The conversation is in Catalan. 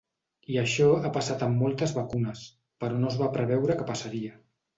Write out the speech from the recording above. I això ha passat amb moltes vacunes, però no es va preveure que passaria.